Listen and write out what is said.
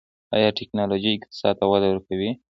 آیا ټیکنالوژي اقتصاد ته وده ورکوي؟